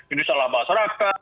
ini salah masyarakat